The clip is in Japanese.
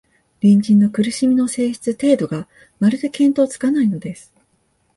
隣人の苦しみの性質、程度が、まるで見当つかないのです